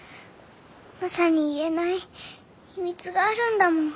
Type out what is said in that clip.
マサに言えない秘密があるんだもん。